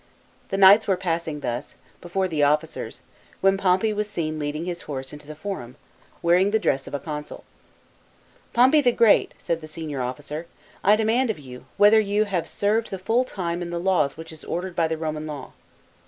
The knights were passing thus, 178 POMPEY THE GREAT. [B.C. 67. before the officers, when Pompey was seen leading his horse into the Forum, wearing the dress of a consul. " Pompey the Great," said the senior officer, " I demand of you, whether you have served the full time in the laws which is ordered by the Roman law."